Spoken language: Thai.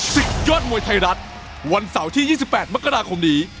ศึกยอดมวยไทยรัฐวันเสาร์ที่๒๘มกราคมนี้